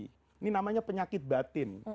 ini namanya penyakit batin